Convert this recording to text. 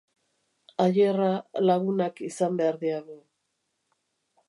Ayerra, lagunak izan behar diagu.